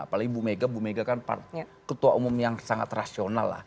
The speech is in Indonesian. paling bu mega kan ketua umum yang sangat rasional